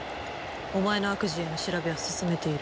お前の悪事への調べは進めている。